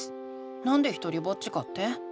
なんでひとりぼっちかって？